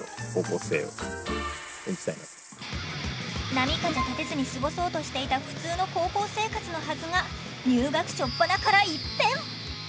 波風立てずに過ごそうとしていた普通の高校生活のはずが入学しょっぱなから一変！